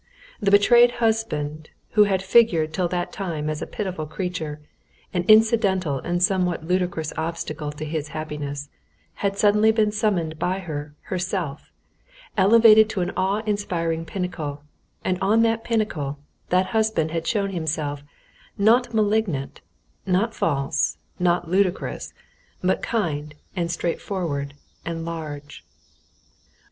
The betrayed husband, who had figured till that time as a pitiful creature, an incidental and somewhat ludicrous obstacle to his happiness, had suddenly been summoned by her herself, elevated to an awe inspiring pinnacle, and on the pinnacle that husband had shown himself, not malignant, not false, not ludicrous, but kind and straightforward and large.